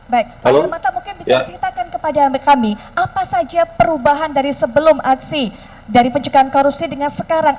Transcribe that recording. baik pak surmata mungkin bisa diceritakan kepada kami apa saja perubahan dari sebelum aksi dari pencegahan korupsi dengan sekarang